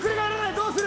どうする？